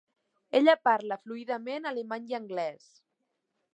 Ella parla fluidament alemany i anglès.